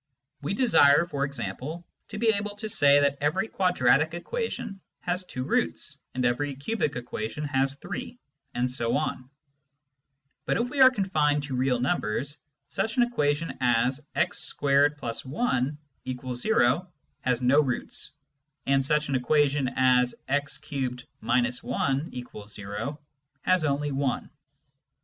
We desire, for example, to be able to say that every quadratic equation has two roots, and every cubic equation has three, and so on. But if we are confined to real numbers, such an equation as # 2 | i=o has no roots, and such an equation as x 3 — 1=0 has only one.